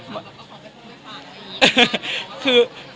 แต่สมัยนี้ไม่ใช่อย่างนั้น